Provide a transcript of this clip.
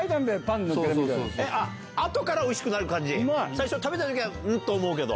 最初食べた時うん？と思うけど。